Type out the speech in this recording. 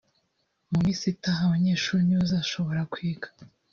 mu minsi itaha abanyeshuri ntibazashobora kwiga…